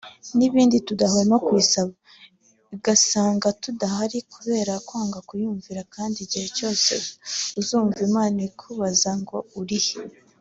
n'ibindi tudahwema kuyisaba) igasanga tudahari kubera kwanga kuyumvira kandi igihe cyose uzumva Imana ikubaza ngo uri he